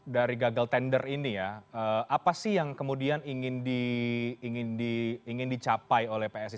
dari gagal tender ini ya apa sih yang kemudian ingin dicapai oleh psi